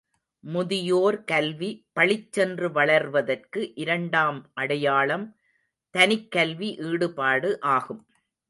முதியோர் கல்வி பளிச்சென்று வளர்வதற்கு இரண்டாம் அடையாளம் தனிக்கல்வி ஈடுபாடு ஆகும்.